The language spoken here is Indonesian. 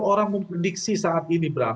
orang memprediksi saat ini